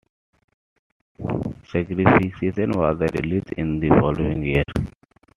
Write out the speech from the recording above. "Sacrificium" was released in the following year.